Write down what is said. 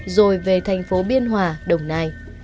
rồi về thành phố biên hòa đồng nai